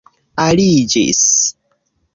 aliĝis